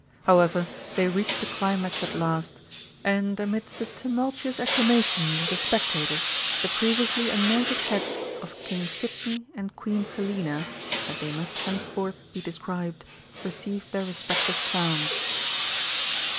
However, they reached the climax at last, and amidst the tumultuous acclamations of the spectators the previously anointed heads of King Sidney and Queen Selina, as they must henceforth be described, received their respective crowns.